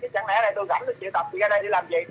chẳng lẽ tôi rảnh tôi chịu tập chị ra đây để làm việc